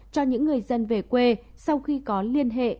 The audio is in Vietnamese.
cho những người dân về quê sau khi có liên hệ